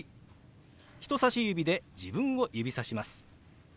人さし指で自分を指さします。